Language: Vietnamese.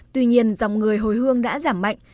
tuy nhiên dòng người hồi hương đã giảm mạnh